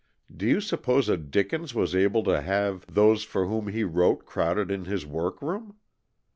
Do you suppose a Dickens was able to have those for whom he wrote crowded in his workroom?